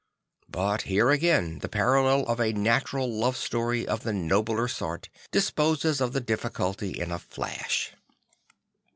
But here again the parallel of a natural love story of the nobler sort disposes of the difficulty in a flash.